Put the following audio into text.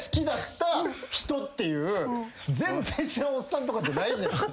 全然知らんおっさんとかじゃない。